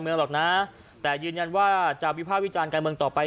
หรอกนะแต่ยืนยันว่าจะวิภาควิจารณ์การเมืองต่อไป